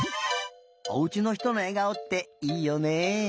おうちのひとのえがおっていいよね。